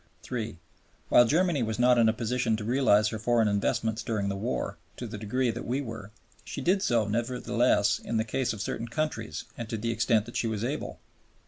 (iii.) While Germany was not in a position to realize her foreign investments during the war to the degree that we were, she did so nevertheless in the case of certain countries and to the extent that she was able.